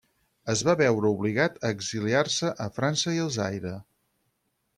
Es va veure obligat a exiliar-se a França i al Zaire.